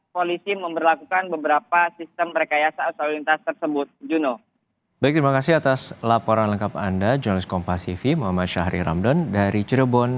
polisi memperlakukan beberapa sistem rekayasa asolintas tersebut